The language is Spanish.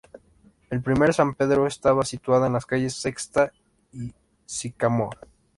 El primer San Pedro estaba situada en las calles Sexta y Sycamore.